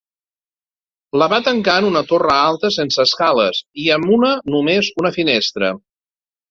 La va tancar en una torre alta sense escales i amb una només una finestra.